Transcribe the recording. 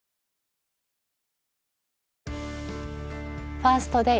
「ファースト・デイ」